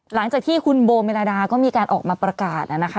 หลังจากที่คุณโบเมลาดาก็มีการออกมาประกาศนะคะ